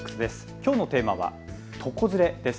きょうのテーマは床ずれです。